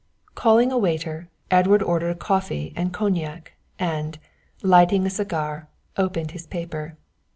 Calling a waiter, Edward ordered a coffee and cognac, and, lighting a cigar, opened his paper.